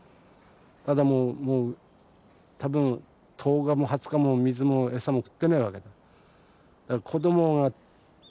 ただもう多分１０日も２０日も水も餌も食ってないわけだ。